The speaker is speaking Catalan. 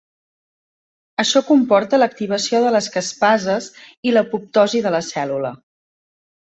Això comporta l'activació de les caspases i l'apoptosi de la cèl·lula.